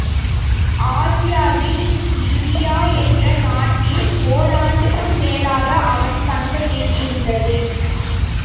ஆசியாவில் லிடியா என்ற நாட்டில் ஓராண்டுக்கு மேலாக அவன் தங்க வேண்டியிருந்தது.